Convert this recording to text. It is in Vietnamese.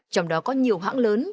trong đó có nhiều hãng lớn